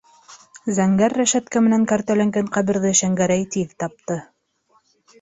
Зәңгәр рәшәткә менән кәртәләнгән ҡәберҙе Шәңгәрәй тиҙ тапты.